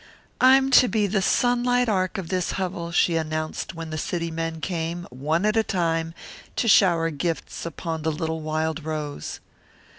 "I'm to be the sunlight arc of this hovel," she announced when the city men came, one at a time, to shower gifts upon the little wild rose.